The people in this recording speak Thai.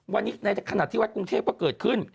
วันนี้ในขณะที่วัดกรุงเทพก็เกิดขึ้น